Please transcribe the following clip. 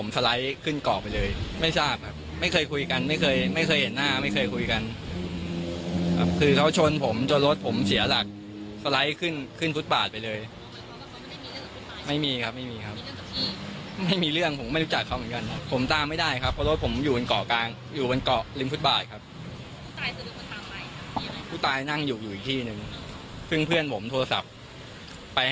สไลด์ขึ้นเกาะไปเลยไม่ทราบครับไม่เคยคุยกันไม่เคยไม่เคยเห็นหน้าไม่เคยคุยกันครับคือเขาชนผมจนรถผมเสียหลักสไลด์ขึ้นขึ้นฟุตบาทไปเลยไม่มีครับไม่มีครับไม่มีเรื่องผมไม่รู้จักเขาเหมือนกันผมตามไม่ได้ครับเพราะรถผมอยู่บนเกาะกลางอยู่บนเกาะริมฟุตบาทครับผู้ตายนั่งอยู่อยู่อีกที่หนึ่งซึ่งเพื่อนผมโทรศัพท์ไป